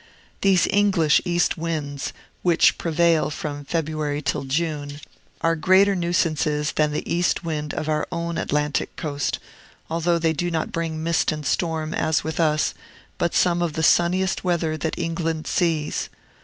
These English east winds, which prevail from February till June, are greater nuisances than the east wind of our own Atlantic coast, although they do not bring mist and storm, as with us, but some of the sunniest weather that England sees.